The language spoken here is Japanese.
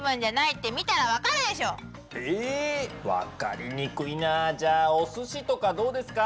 え分かりにくいなじゃあおすしとかどうですか？